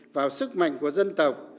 vào sức mạnh của dân tộc